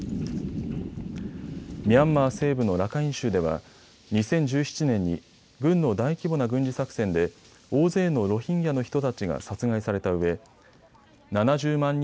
ミャンマー西部のラカイン州では２０１７年に軍の大規模な軍事作戦で大勢のロヒンギャの人たちが殺害されたうえ７０万